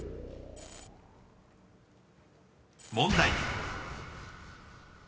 ［問題］